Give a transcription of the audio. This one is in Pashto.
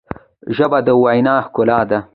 ژبه د وینا ښکلا ده.